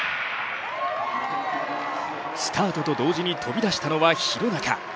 スタートと同時に飛び出したのは廣中。